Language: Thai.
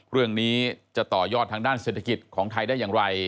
เรื่องนี้จะต่อยอดทางด้านเศรษฐกิจของไทยได้อย่างไร